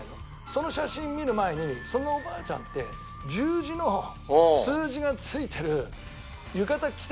その写真見る前に「そのおばあちゃんって十字の数字がついてる浴衣着てない？」